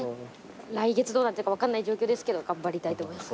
来月どうなってるか分かんない状況ですけど頑張りたいと思います。